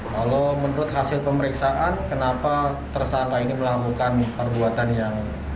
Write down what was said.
kalau menurut hasil pemeriksaan kenapa tersangka ini melakukan perbuatan yang